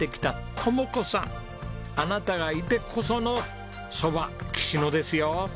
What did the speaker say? あなたがいてこその蕎麦きし野ですよ。